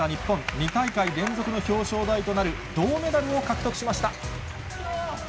２大会連続の表彰台となる銅メダルを獲得しました。